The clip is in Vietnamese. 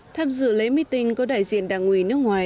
tham dự lễ mít tinh có đại diện đảng ủy nước ngoài